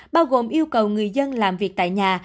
bao gồm yêu cầu người dân làm việc tại nhà